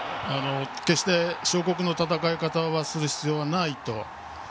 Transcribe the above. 決して小国の戦い方はする必要はないと。